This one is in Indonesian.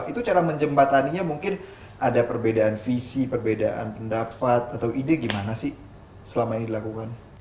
itu cara menjembataninya mungkin ada perbedaan visi perbedaan pendapat atau ide gimana sih selama ini dilakukan